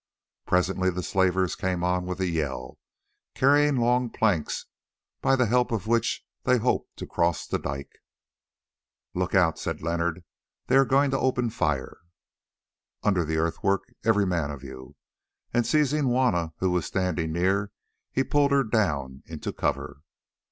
Presently the slavers came on with a yell, carrying long planks, by the help of which they hoped to cross the dike. "Look out!" said Leonard, "they are going to open fire. Under the earthwork, every man of you!" And seizing Juanna who was standing near, he pulled her down into cover.